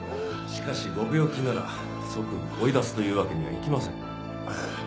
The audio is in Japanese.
しかしご病気なら即追い出すというわけにはいきません。